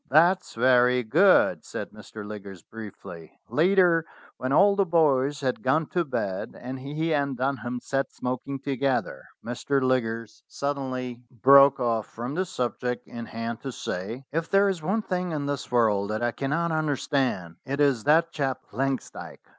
"That's very good," said Mr. Liggers briefly. Later, when all the boys had gone to bed, and he and Dunham sat smoking together, Mr. Liggers sud 240 STORIES WITHOUT TEARS denly broke off from the subject in hand to say: "If there is one thing in this world that I cannot under stand, it is that chap Langsdyke."